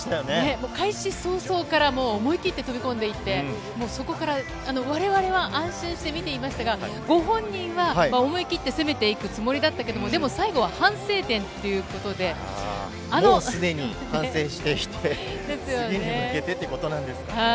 もう開始早々から、もう思い切って飛び込んでいって、そこから、われわれは安心して見ていましたが、ご本人は、思い切って攻めていくつもりだったけど、もうすでに反省して、次に向けてっていうことなんですかね。